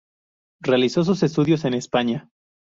Realizó sus estudios en España.